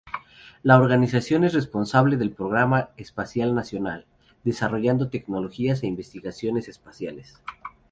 La organización es responsable del programa espacial nacional, desarrollando tecnologías e investigaciones espaciales.